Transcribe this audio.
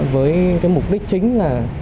với cái mục đích chính là